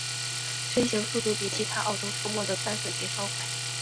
飞行速度比其他澳洲出没的斑粉蝶稍快。